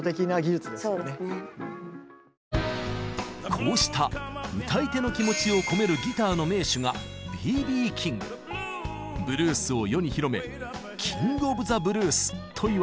こうした歌い手の気持ちを込めるギターの名手がブルースを世に広めキング・オブ・ザ・ブルースといわれています。